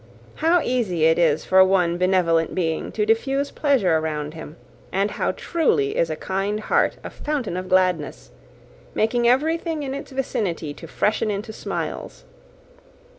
How easy it is for one benevolent being to diffuse pleasure around him; and how truly is a kind heart a fountain of gladness, making everything in its vicinity to freshen into smiles!